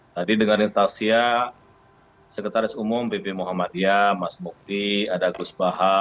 tadi dengarnya tafsia sekretaris umum bibi muhammadiyah mas mukti ada gus baha